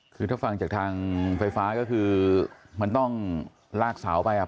คือถ้าฟังจากทางไฟฟ้าก็คือมันต้องลากเสาไปอ่ะ